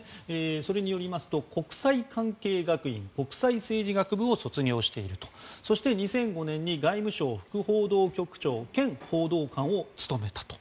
それによりますと国際関係学院国際政治学部を卒業そして２００５年に外務省副報道局長兼報道官を務めたと。